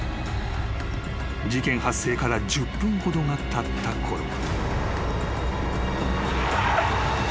［事件発生から１０分ほどがたったころ］